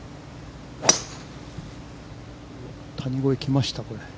谷越え、来ました、これ。